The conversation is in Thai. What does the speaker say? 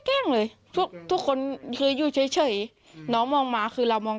เลยทุกทุกคนเคยอยู่เฉยน้องมองมาคือเรามอง